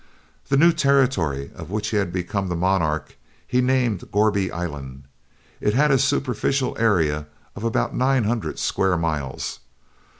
The new territory of which he had become the monarch he named Gourbi Island. It had a superficial area of about nine hundred square miles.